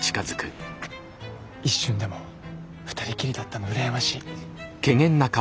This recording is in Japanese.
一瞬でも２人きりだったの羨ましい。